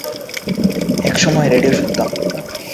একসময় রেডিও শুনতাম।